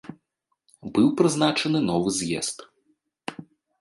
Быў прызначаны новы з'езд.